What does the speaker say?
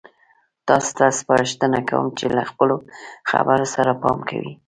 تاسو ته سپارښتنه کوم چې له خپلو خبرو سره پام کوئ.